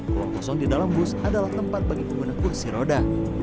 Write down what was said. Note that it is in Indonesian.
ruang kosong di dalam bus adalah tempat bagi pengguna kursi roda